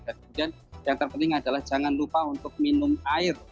dan yang terpenting adalah jangan lupa untuk minum air